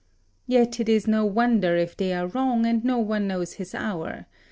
Yet it is no wonder if they are wrong, and no one knows his hour.